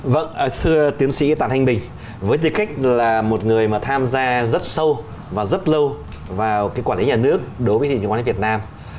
vâng thưa tiến sĩ tàn thanh bình với tư cách là một người mà tham gia rất sâu và rất lâu vào quản lý nhà nước đối với thị trường chứng khoán việt nam